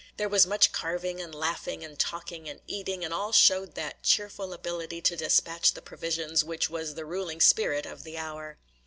There was much carving and laughing and talking and eating, and all showed that cheerful ability to despatch the provisions which was the ruling spirit of the hour.